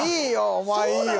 お前いいよ